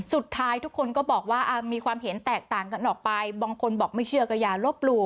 สุดท้ายทุกคนก็บอกว่ามีความเห็นแตกต่างกันออกไปบางคนบอกไม่เชื่อก็อย่าลบหลู่